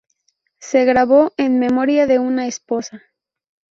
Se grabó en memoria de una esposa.